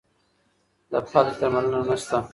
د فلج درملنه نشته.